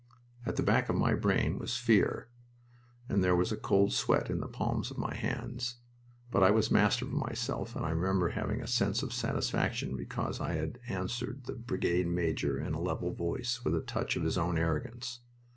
At the back of my brain was Fear, and there was a cold sweat in the palms of my hands; but I was master of myself, and I remember having a sense of satisfaction because I had answered the brigade major in a level voice, with a touch of his own arrogance.